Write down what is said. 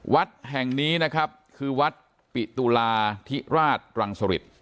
วัดแห่งนี้นะครับคือวัดปิตุลาธิราชรังสริต